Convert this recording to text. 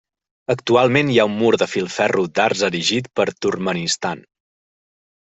Actualment hi ha un mur de filferro d'arç erigit per Turkmenistan.